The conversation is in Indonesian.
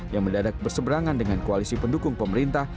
yang mendadak berseberangan dengan koalisi pendukung pemerintah